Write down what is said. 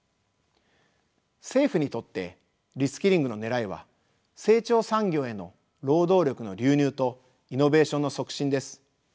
政府にとってリスキングの狙いは成長産業への労働力の流入とイノベーションの促進です。